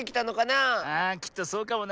ああきっとそうかもな。